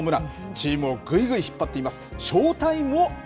チームをぐいぐい引っ張っています。